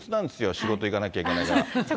仕事行かなきゃいけないから。